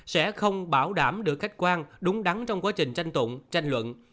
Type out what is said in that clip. sẽ không bảo đảm được khách quan đúng đắn trong quá trình tranh tụng tranh luận